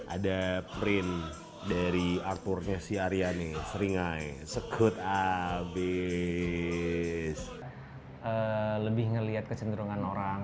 ada print dari arthurnya si aryani seringai sekut abis lebih ngelihat kecenderungan orang